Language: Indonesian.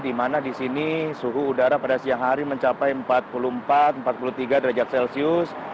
dimana disini suhu udara pada siang hari mencapai empat puluh empat empat puluh tiga derajat celcius